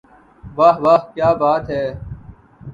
واہ واہ کیا بات ہے